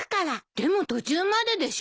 でも途中まででしょ。